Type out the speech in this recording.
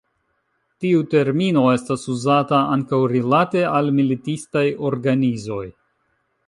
Tiu termino estas uzata ankaŭ rilate al militistaj organizoj.